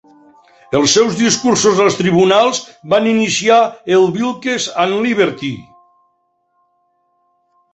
Els seus discursos als tribunals van iniciar el "Wilkes and Liberty!".